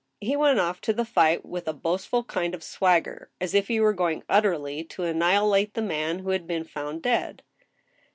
He went off to the fight with a boastful kind of swagger, as if he were going utterly to annihilate the man who had been found dead.